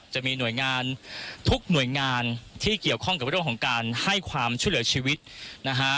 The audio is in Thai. จะมีหน่วยงานทุกหน่วยงานที่เกี่ยวข้องกับเรื่องของการให้ความช่วยเหลือชีวิตนะฮะ